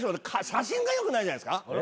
写真がよくないんじゃないですか？